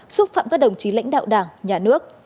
xúc phạm các đồng chí lãnh đạo đảng nhà nước